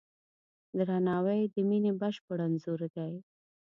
درناوی د مینې بشپړ انځور دی.